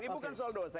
ini bukan soal dosa